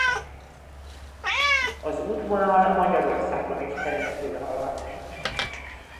Az útvonal Magyarországon is keresztülhaladt.